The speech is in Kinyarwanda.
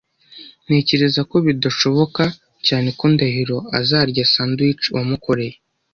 Ntekereza ko bidashoboka cyane ko Ndahiro azarya sandwich wamukoreye.